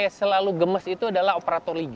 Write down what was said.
yang selalu gemes itu adalah operator liga